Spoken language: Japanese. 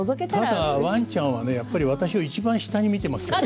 ただワンちゃん、私をいちばん下に見ていますから。